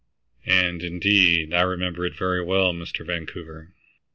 "And, indeed, I remember it very well, Mr. Vancouver."